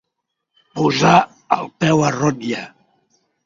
Posar el peu a rotlle.